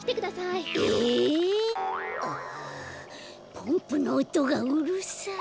ポンプのおとがうるさい。